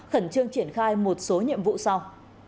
khẩn trương triển khai một số nhiệm vụ sau